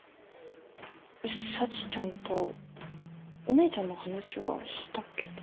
沙智ちゃんとお姉ちゃんの話はしたけど。